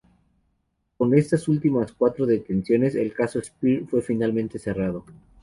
Con estas últimas cuatro detenciones el Caso Spear fue, finalmente, cerrado.